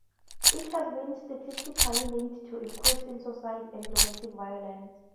It has been statistically linked to increases in suicide and domestic violence.